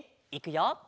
いくよ。